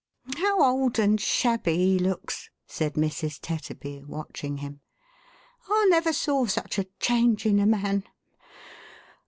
" How old and shabby he looks," said Mrs. Tetterby, watching him. " I never saw such a change in a man.